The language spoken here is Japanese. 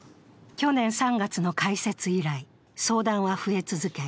去年３月の開設以来、相談は増え続け